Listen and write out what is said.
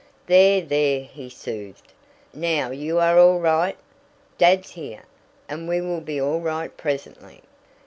"There! there!" he soothed. "Now you are all right. Dad's here, and we will be all right presently.